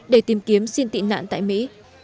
để tìm kiếm xin tị nạn tại mỹ